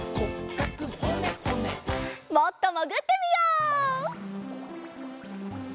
もっともぐってみよう。